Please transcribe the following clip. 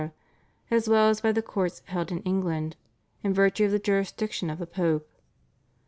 as well as by the courts held in England in virtue of the jurisdiction of the Pope.